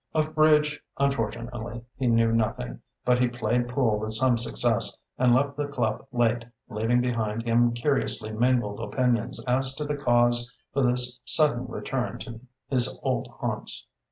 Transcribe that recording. Of bridge, unfortunately, he knew nothing, but he played pool with some success, and left the club late, leaving behind him curiously mingled opinions as to the cause for this sudden return to his old haunts.